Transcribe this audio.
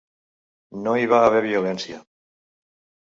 No hi va haver violència.